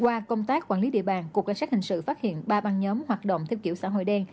qua công tác quản lý địa bàn cục cảnh sát hình sự phát hiện ba băng nhóm hoạt động theo kiểu xã hội đen